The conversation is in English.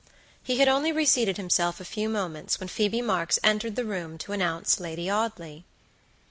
He had only reseated himself a few moments when Phoebe Marks entered the room to announce Lady Audley.